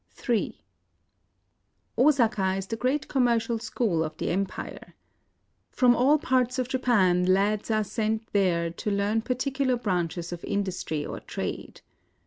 Ill Osaka is the great commercial school of the empire. From all parts of Japan lads are sent there to learn particular branches of industry or trade.